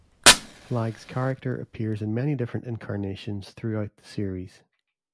Flagg's character appears in many different incarnations throughout the series.